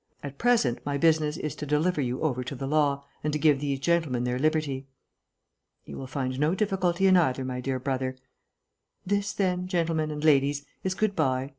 At present my business is to deliver you over to the law, and to give these gentlemen their liberty." "You will find no difficulty in either, my dear brother.... This, then, gentlemen and ladies, is good bye.